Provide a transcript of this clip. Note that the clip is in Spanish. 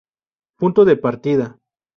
Punto de partida.